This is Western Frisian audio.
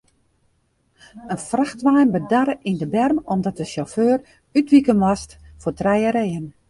In frachtwein bedarre yn de berm omdat de sjauffeur útwike moast foar trije reeën.